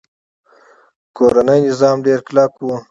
کورنۍ نظام ډیر کلک و